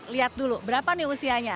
lihat dulu berapa usianya